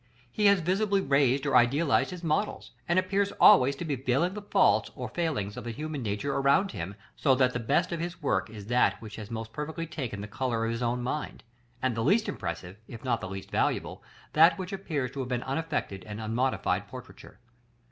He has visibly raised or idealized his models, and appears always to be veiling the faults or failings of the human nature around him, so that the best of his work is that which has most perfectly taken the color of his own mind; and the least impressive, if not the least valuable, that which appears to have been unaffected and unmodified portraiture.